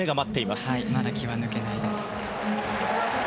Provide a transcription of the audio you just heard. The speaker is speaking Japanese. まだ気は抜けないです。